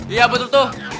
iya betul tuh